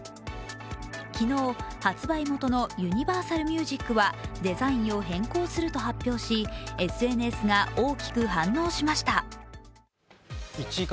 昨日、発売元のＵＮＩＶＥＲＳＡＬＭＵＳＩＣはデザインを変更すると発表しＳＮＳが大きく反応しました。